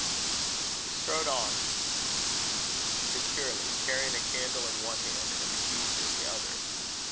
He strode on securely, carrying a candle in one hand, and the keys in the other.